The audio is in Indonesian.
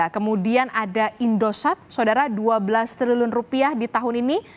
kemudian ada indosat saudara dua belas triliun rupiah di tahun ini